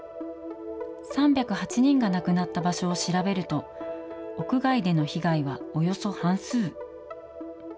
３０８人が亡くなった場所を調べると、屋外での被害はおよそ半数。